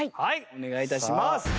お願い致します。